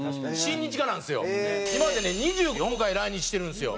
今までね２４回来日してるんですよ。